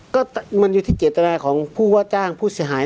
ก็มันอยู่ที่เจตนาของผู้ว่าจ้างผู้เสียหาย